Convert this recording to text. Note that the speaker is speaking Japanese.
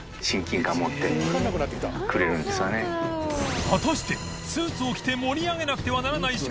祺未燭靴スーツを着て盛り上げなくてはならない纏